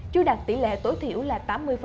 chưa đạt tỷ lệ tối thiểu là tám mươi